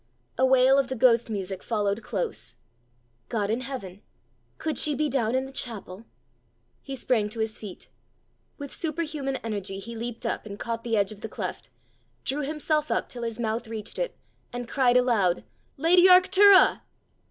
A wail of the ghost music followed close. God in heaven! could she be down in the chapel? He sprang to his feet. With superhuman energy he leapt up and caught the edge of the cleft, drew himself up till his mouth reached it, and cried aloud, "Lady Arctura!"